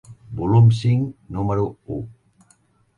Volum cinc, número u.